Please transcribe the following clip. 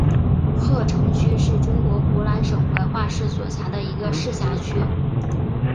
鹤城区是中国湖南省怀化市所辖的一个市辖区。